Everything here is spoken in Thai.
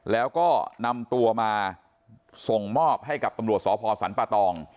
แล้วก็นำตัวมาส่งมอบให้กับตำรวจสพสรรปะตอง